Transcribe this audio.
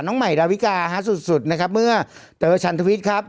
น้องใหม่ดาวิกาฮะสุดสุดนะครับเมื่อเต๋อชันทวิตครับ